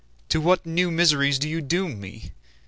To what new miseries do you doom me?